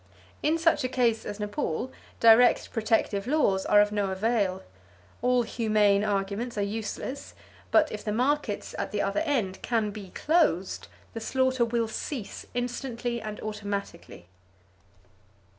In such a case as Nepal, direct protective laws are of no avail. All humane arguments are useless, but if the markets at the other end can be closed, the slaughter will cease instantly and automatically.